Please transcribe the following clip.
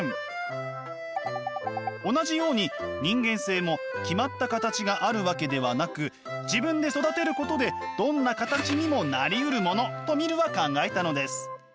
同じように人間性も決まった形があるわけではなく自分で育てることでどんな形にもなりうるものとミルは考えたのです。